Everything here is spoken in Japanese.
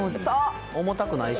重たくないし。